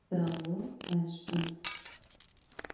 Değu, 'eş'u.